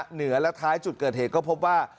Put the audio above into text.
เหนือและท้ายจุดเกิดเหตุก็พบว่า